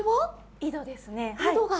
井戸ですね。